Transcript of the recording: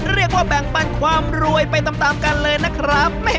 เรียกว่าแบ่งปันความรวยไปตามกันเลยนะครับ